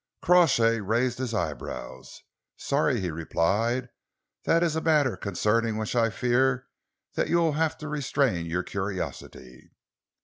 Crawshay raised his eyebrows. "Sorry," he replied, "that is a matter concerning which I fear that you will have to restrain your curiosity."